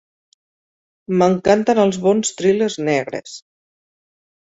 M'encanten els bons thrillers negres